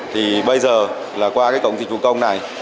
thì bây giờ là qua cái cổng dịch vụ công này